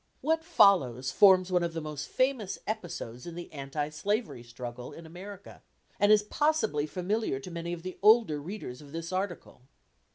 What follows forms one of the most famous episodes in the anti slavery struggle in America, and is possibly familiar to many of the older readers of this article.